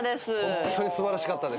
ホントに素晴らしかったです。